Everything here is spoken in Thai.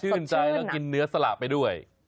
ใจแล้วกินเนื้อสละไปด้วย